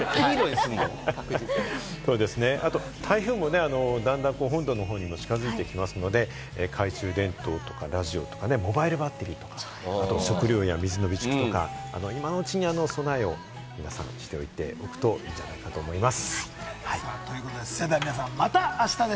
あと台風も本土の方に近づいてきますので、懐中電灯とかラジオとか、モバイルバッテリーとか、あと食料や水の備蓄、今のうちに備えをしておくといいんじゃないかと思います。